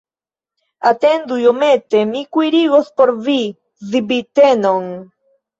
Atendu iomete, mi kuirigos por vi zbitenon!